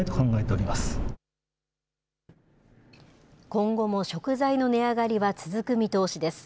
今後も食材の値上がりは続く見通しです。